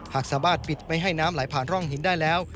หากสามารถปิดไม่ให้น้ำไหลผ่านร่องหินได้แล้ว